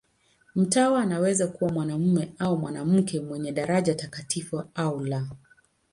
Mtawa anaweza kuwa mwanamume au mwanamke, mwenye daraja takatifu au la.